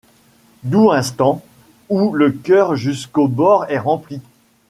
Doux instants, où le coeur jusqu'aux bords est rempli.